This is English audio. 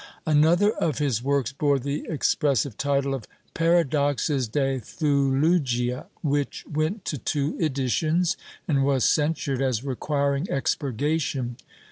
Another of his works bore the expressive title of Paradoios de Theulugia, which went to two editions and was censured as requiring expurgation.